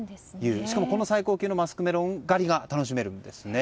しかもこの最高級のマスクメロン狩りが楽しめるんです。